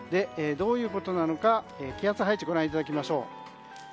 どういうことなのか気圧配置をご覧いただきましょう。